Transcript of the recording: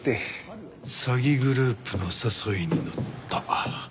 詐欺グループの誘いにのった。